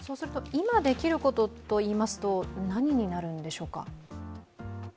今できることといいますと何になるんでしょうか？